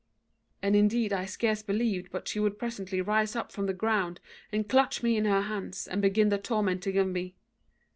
And indeed I scarce believed but she would presently rise up from the ground and clutch me in her hands, and begin the tormenting of me.